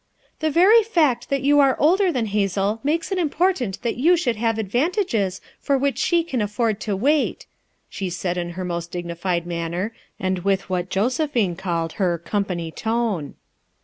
"The very fact that you are older than Hazel makes it important that you should have ad vantages for which she can afford to wait," she said in her most dignified manner and with what Josephine called her "company tone."